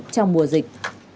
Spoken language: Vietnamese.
trong mùa dịch